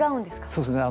そうですね。